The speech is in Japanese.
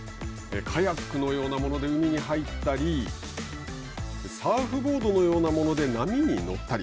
カヤックのようなもので海に入ったりサーフボードのようなもので波に乗ったり。